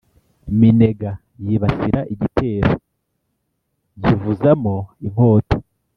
Minega yibasira igitero nkivuzamo inkota,